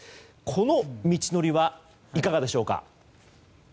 この道のりはいかがでしょうか。